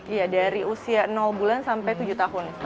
iya dari usia bulan sampai tujuh tahun